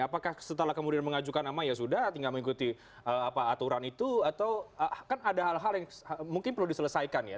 apakah setelah kemudian mengajukan nama ya sudah tinggal mengikuti aturan itu atau kan ada hal hal yang mungkin perlu diselesaikan ya